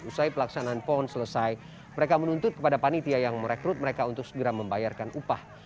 usai pelaksanaan pon selesai mereka menuntut kepada panitia yang merekrut mereka untuk segera membayarkan upah